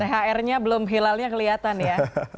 thr nya belum hilalnya kelihatan ya